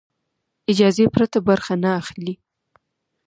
اجازې پرته برخه نه اخلي.